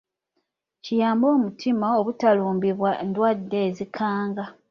Kiyambe omutima obutalumbibwa ndwadde ezikanga.